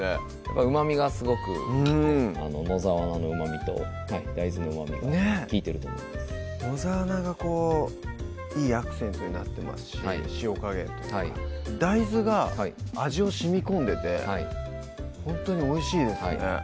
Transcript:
うまみがすごくうん野沢菜のうまみと大豆のうまみが利いてると思います野沢菜がこういいアクセントになってますし塩加減とか大豆が味をしみこんでてほんとにおいしいですね